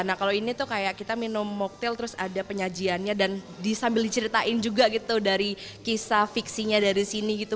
nah kalau ini tuh kayak kita minum moktil terus ada penyajiannya dan disambil diceritain juga gitu dari kisah fiksinya dari sini gitu